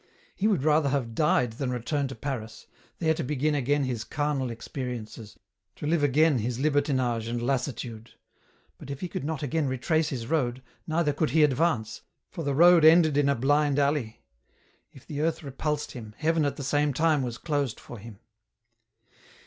He would rather have died than return to Paris, there to begin again his carnal experiences, to live again his hours of libertinage and lassitude ; but if he could not again retrace his road, neither could he advance, for the road ended in a blind alley. If earth repulsed him, heaven at the same time was closed for him.